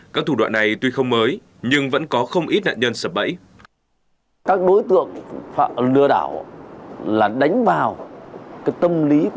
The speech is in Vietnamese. các thủ đoạn này tuy không mới nhưng vẫn có không ít nạn nhân sập bẫy